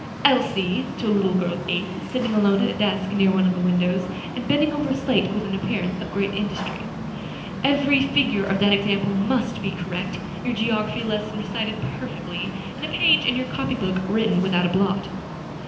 Elsie," to a little girl of eight, sitting alone at a desk near one of the windows, and bending over a slate with an appearance of great industry, "every figure of that example must be correct, your geography lesson recited perfectly, and a page in your copybook written without a blot."